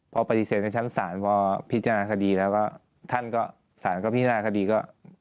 พอปฏิเสธในชั้นศาลพอพิจารณาคดีแล้วก็ท่านก็สารก็พินาคดีก็